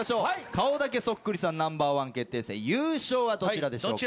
顔だけそっくりさんＮｏ．１決定戦優勝はどちらでしょうか。